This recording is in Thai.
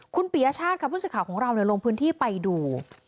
คุณปียชาติค่ะผู้สื่อข่าวของเราลงพื้นที่ไปดู